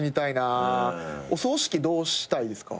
お葬式どうしたいですか？